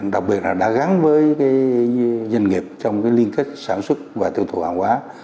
đặc biệt là đã gắn với doanh nghiệp trong liên kết sản xuất và tiêu thụ hàng hóa